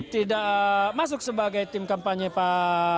tidak masuk sebagai tim kampanye pak jokowi maruf